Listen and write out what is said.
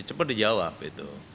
cepat dijawab itu